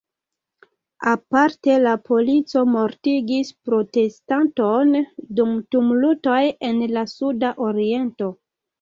Aparte la polico mortigis protestanton dum tumultoj en la sudaoriento.